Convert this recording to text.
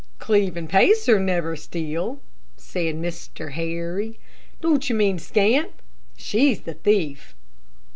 "Cleve and Pacer never steal," said Mr. Harry. "Don't you mean Scamp? She's the thief."